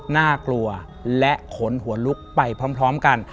น่ากลัวและขนหัวลุกไปพร้อมกัน